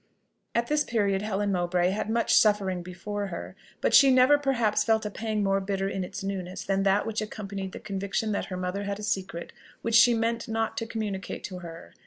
At this period, Helen Mowbray had much suffering before her; but she never perhaps felt a pang more bitter in its newness than that which accompanied the conviction that her mother had a secret which she meant not to communicate to her.